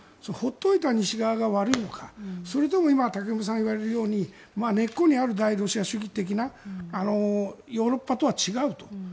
放っておいた西側が悪いのかそれとも今、武隈さんが言われるように根っこにある大ロシア主義的なヨーロッパとは違うと。